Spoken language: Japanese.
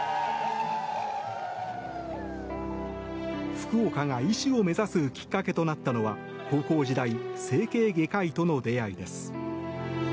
福岡が医師を目指すきっかけとなったのは高校時代整形外科医との出会いです。